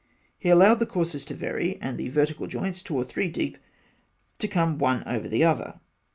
He allowed the courses to vary, and the vertical joints, two or three deep, to come one over the other.